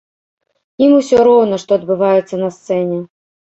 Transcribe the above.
Ім усё роўна, што адбываецца на сцэне.